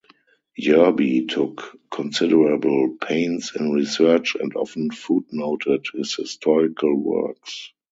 Yerby took considerable pains in research and often footnoted his historical works.